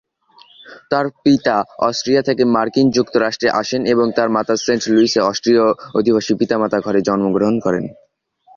তার পিতা অস্ট্রিয়া থেকে মার্কিন যুক্তরাষ্ট্রে আসেন এবং তার মাতা সেন্ট লুইসে অস্ট্রীয় অভিবাসী পিতামাতা ঘরে জন্মগ্রহণ করেন।